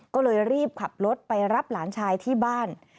ก็เลยรีบขับรถไปรับหลานชายที่บ้าน